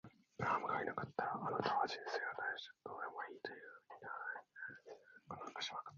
クラムがいなかったら、あなたは人生に対してどうでもいいというようなふうにはならず、したがってハンスと結婚なんかしなかったでしょう。